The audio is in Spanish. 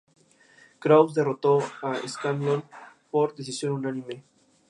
Además, para enfatizar la importancia de estudios de impacto ambiental de calidad e independientes.